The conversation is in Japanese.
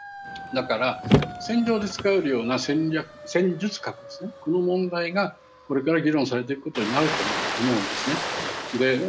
だから、戦場で使うるような戦術核ですね、この問題がこれから議論されていくことになると思うんですね。